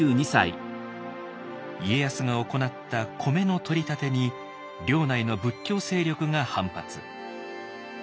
家康が行った米の取り立てに領内の仏教勢力が反発。